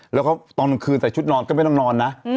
แล้วก็ตอนกลางคืนใส่ชุดนอนก็ไม่ต้องนอนนะ